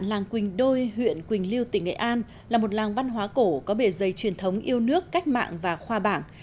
làng quỳnh đôi huyện quỳnh lưu tỉnh nghệ an là một làng văn hóa cổ có bề dày truyền thống yêu nước cách mạng và khoa bảng